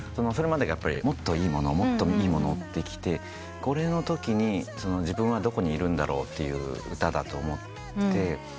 それまでがもっといいものをもっといいものをってきてこれのときに自分はどこにいるんだろうっていう歌だと思って。